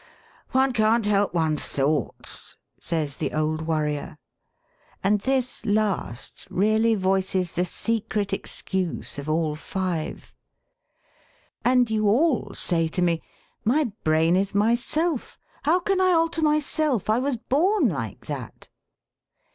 'One can't help one's thoughts,' says the old worrier. And this last really voices the secret excuse of all five. And you all say to me: 'My brain is myself. How can I alter myself? I was born like that.'